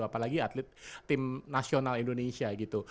apalagi atlet timnasional indonesia gitu